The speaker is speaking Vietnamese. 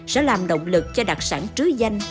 sẽ làm động lực cho đặc sản trứ danh